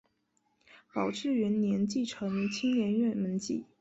宝治元年继承青莲院门迹。